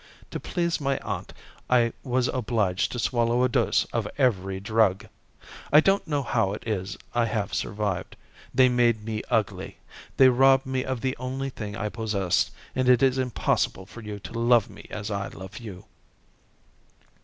To please my aunt I was obliged to swallow a dose of every drug. I don't know how it is I have survived. They made me ugly. They robbed me of the only thing I possessed, and it is impossible for you to love me as I love you."